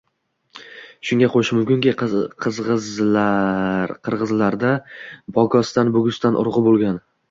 Shunga qo‘shish mumkinki, qirg‘izlarda bogostan-bugustan urug‘i bo‘lgan